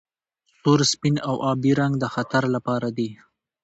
سور سپین او ابي رنګ د خطر لپاره دي.